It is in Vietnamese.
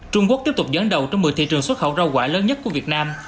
trung quốc tiếp tục dẫn đầu trong một mươi thị trường xuất khẩu rau quả lớn nhất của việt nam